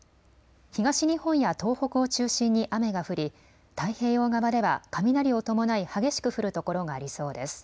東日本や東北を中心に雨が降り太平洋側では雷を伴い激しく降るところがありそうです。